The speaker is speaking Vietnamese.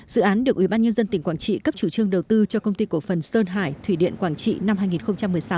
dự án được ubnd tỉnh quảng trị cấp chủ trương đầu tư cho công ty cổ phần sơn hải thủy điện quảng trị năm hai nghìn một mươi sáu